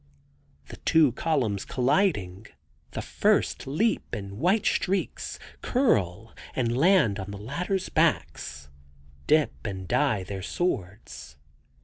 The two columns colliding, the first leap in white streaks, curl, and land on the latter's backs, dip and dye their swords.